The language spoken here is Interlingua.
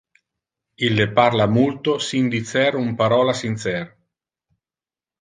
Ille parla multo sin dicer un parola sincer.